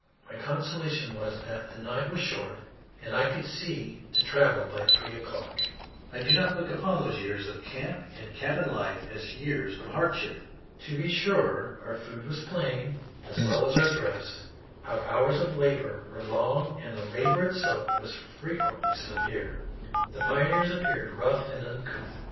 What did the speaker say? My consolation was that the night was short and I could see to travel by three o'clock. I do not look upon those years of camp and cabin life as years of hardship. To be sure, our food was plain as well as our dress; our hours of labor were long and the labor itself was frequently severe; the pioneers appeared rough and uncouth.